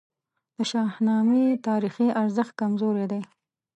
د شاهنامې تاریخي ارزښت کمزوری دی.